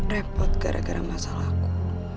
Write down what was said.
repot gara gara masalahku